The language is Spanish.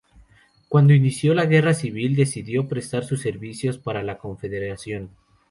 Cuando inició la Guerra Civil, decidió prestar sus servicios para la Confederación.